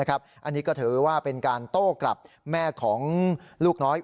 อันนี้ก็ถือว่าเป็นการโต้กลับแม่ของลูกน้อย